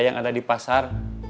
yang ada di pasar